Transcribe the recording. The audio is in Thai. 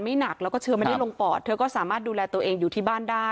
แต่เธอก็บอกว่าด้วยความที่ตัวเธอเองเนี่ย